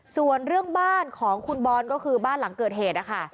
ส่วนเรื่องบ้านของคุณบอลก็คือบ้านหลังเกิดเหตุนะคะ